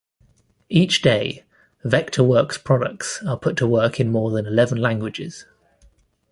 Each day, Vectorworks products are put to work in more than in eleven languages.